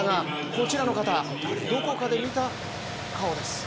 こちらの方、どこかで見た顔です。